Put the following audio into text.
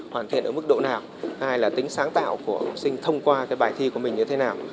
hoàn thiện ở mức độ nào hay là tính sáng tạo của học sinh thông qua cái bài thi của mình như thế nào